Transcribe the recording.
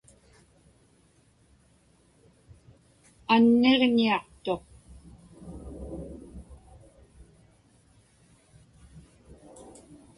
Anniġñiaqtuq.